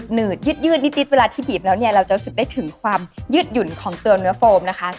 ืดยืดนิดเวลาที่บีบแล้วเนี่ยเราจะรู้สึกได้ถึงความยืดหยุ่นของตัวเนื้อโฟมนะคะ